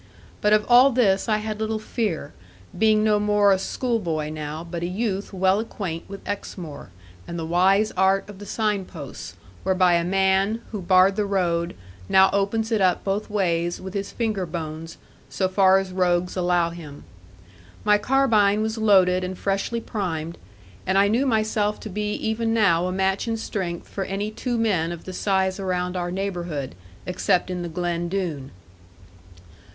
But of all this I had little fear, being no more a schoolboy now, but a youth well acquaint with Exmoor, and the wise art of the sign posts, whereby a man, who barred the road, now opens it up both ways with his finger bones, so far as rogues allow him. My carbine was loaded and freshly primed, and I knew myself to be even now a match in strength for any two men of the size around our neighbourhood, except in the Glen Doone.